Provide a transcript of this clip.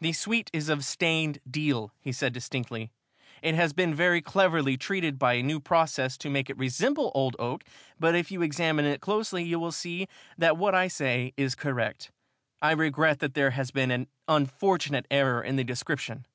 "The suite is of stained deal," he said distinctly. "It has been very cleverly treated by a new process to make it resemble old oak, but if you examine it closely you will see that what I say is correct. I regret that there has been an unfortunate error in the description."